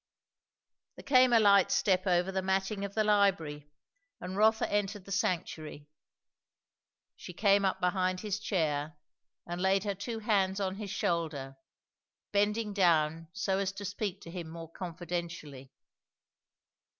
Then came a light step over the matting of the library, and Rotha entered the sanctuary. She came up behind his chair and laid her two hands on his shoulder, bending down so as to speak to him more confidentially.